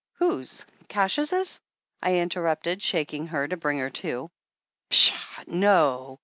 "Whose? Cassius's?" I interrupted, shaking her to bring her to. "Pshaw ! No